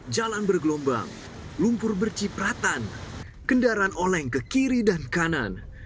jalan bergelombang lumpur bercipratan kendaraan oleng ke kiri dan kanan